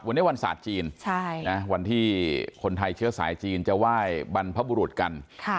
วันนี้วันศาสตร์จีนวันที่คนไทยเชื้อสายจีนจะไหว้บรรพบุรุษกัน